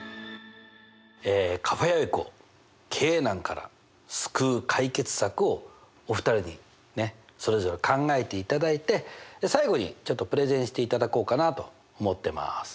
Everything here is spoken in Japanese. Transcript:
カフェ・アイクを経営難から救う解決策をお二人にそれぞれ考えていただいて最後にちょっとプレゼンしていただこうかなと思ってます。